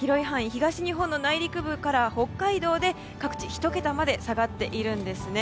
東日本の内陸部から北海道で各地１桁まで下がっているんです。